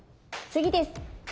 次です。